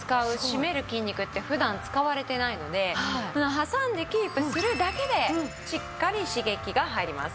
筋肉って普段使われてないので挟んでキープするだけでしっかり刺激が入ります。